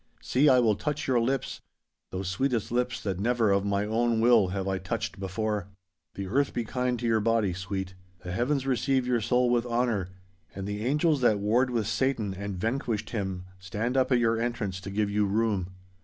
See, I will touch your lips—those sweetest lips that never of my own will, have I touched before. The earth be kind to your body, sweet. The heavens receive your soul with honour, and the angels that warred with Satan and vanquished him, stand up at your entrance to give you room!